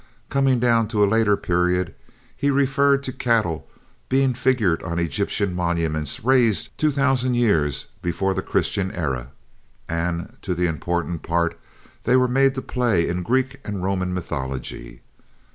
Coming down to a later period, he referred to cattle being figured on Egyptian monuments raised two thousand years before the Christian era, and to the important part they were made to play in Greek and Roman mythology.